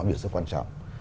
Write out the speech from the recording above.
việc rất quan trọng